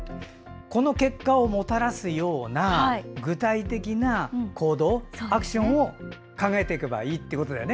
この結果をもたらすような具体的な行動アクションを考えていけばいいっていうことだよね。